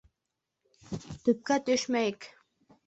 Төпкә төшмәйек!